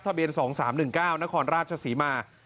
ทะเบียน๒๓๑๙นครราชศรีมา